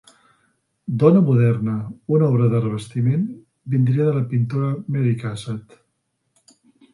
"Dona moderna", una obra de revestiment, vindria de la pintora Mary Cassatt.